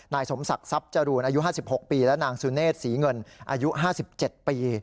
นายสมศักดิ์ทรัพย์จรูนอายุ๕๖ปีและนางสุเนธศรีเงินอายุ๕๗ปี